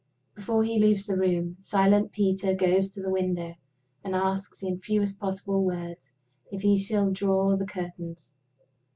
Before he leaves the room, silent Peter goes to the window, and asks in fewest possible words if he shall draw the curtains.